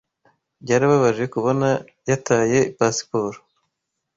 Byarababaje kubona yataye pasiporo.